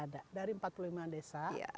ada dari empat puluh lima desa